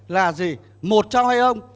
là gì một trong hai ông